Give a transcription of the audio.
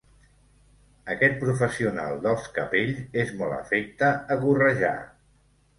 Aquest professional dels capells és molt afecte a gorrejar.